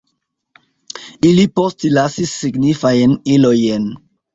Ili postlasis signifajn ilojn.